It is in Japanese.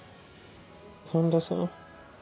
環田さん